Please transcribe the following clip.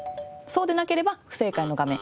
そうでなければ不正解の画面